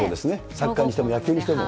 サッカーにしても、野球にしても。